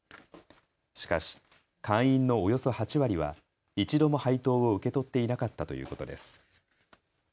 しかし会員のおよそ８割は一度も配当を受け取っていなかったということです。